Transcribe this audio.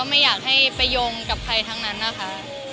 ไม่อยากให้ไปโยงกับใครทั้งนั้นนะคะ